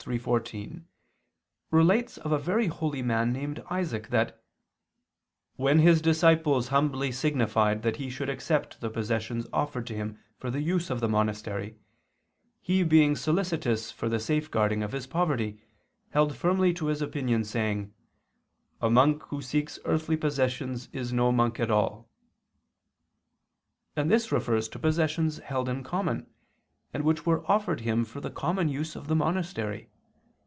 iii, 14) relates of a very holy man named Isaac, that "when his disciples humbly signified that he should accept the possessions offered to him for the use of the monastery, he being solicitous for the safeguarding of his poverty, held firmly to his opinion, saying: A monk who seeks earthly possessions is no monk at all": and this refers to possessions held in common, and which were offered him for the common use of the monastery.